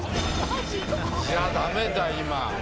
いやダメだ今。